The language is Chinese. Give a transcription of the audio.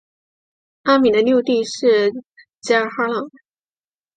阿敏的六弟是济尔哈朗。